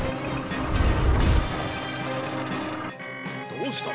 どうした！？